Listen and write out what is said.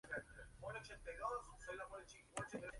El álbum está dedicado a Rita Clement y Burt Harris.